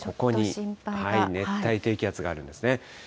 熱帯低気圧があるんですね。